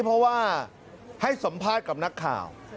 เพราะว่าให้สัมภาษณ์กับนักข่าว